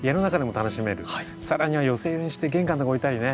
更には寄せ植えにして玄関のとこに置いたりね。